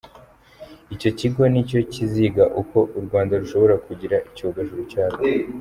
Icyo kigo nicyo kiziga uko u Rwanda rushobora kugira icyogajuru cyarwo.